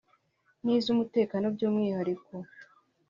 n’iz’umutekano by’umwihariko